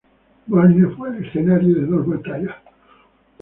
Marne fue el escenario de dos batallas.